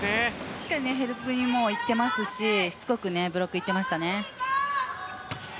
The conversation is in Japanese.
しっかりヘルプに行っていますししつこくブロックに行っていましたね。